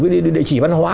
địa chỉ văn hóa